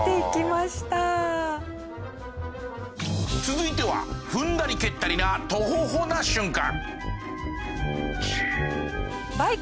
続いては踏んだり蹴ったりなトホホな瞬間。